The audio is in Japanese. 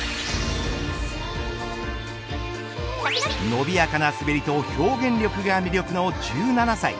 伸びやかな滑りと表現力が魅力の１７歳。